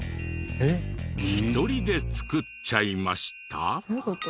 「１人で作っちゃいました」？